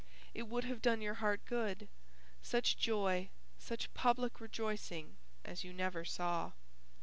It would have done your heart good, such joy, such public rejoicing as you never saw.